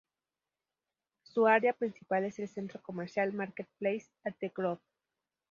Su área principal es el centro comercial "Marketplace at the Grove".